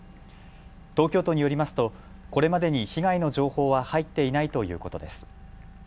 東京都によりますとこれまでに被害の情報は入っていないということです。